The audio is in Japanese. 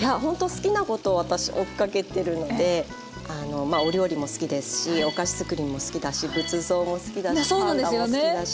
いやほんと好きなことを私追っかけてるのでまあお料理も好きですしお菓子作りも好きだし仏像も好きだしパンダも好きだし。